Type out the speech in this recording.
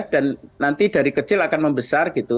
dan nanti dari kecil akan membesar gitu